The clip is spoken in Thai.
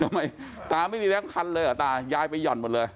ทำไมตาไม่มีแบงค์พันธุ์เลยเหรอตายายไปห่อนหมดเลย